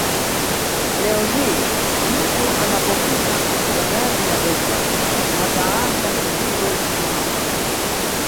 Leo hii mtu anapopita kwenye bandari ya Belfast hataacha kidigo kusimama